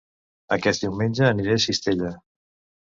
Aquest diumenge aniré a Cistella